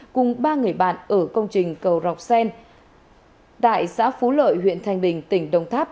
cùng ba người bạn ở công trình cầu dọc xen tại xã phú lợi huyện thanh bình tỉnh đồng tháp